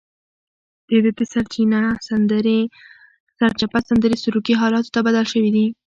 دده د سرچپه سندرې سروکي حالاتو ته بدل شوي دي.